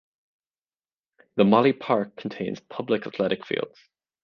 The Moly Park contains public athletic fields.